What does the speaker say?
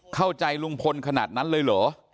เข้าใจลุงพลขนาดนั้นเลยเหรอ